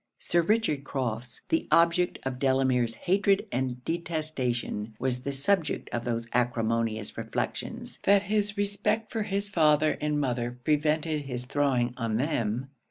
Sir Richard Crofts, the object of Delamere's hatred and detestation, was the subject of those acrimonious reflections that his respect for his father and mother prevented his throwing on them.